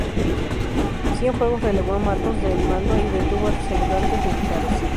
Cienfuegos relevó a Matos del mando y detuvo a sus ayudantes militares.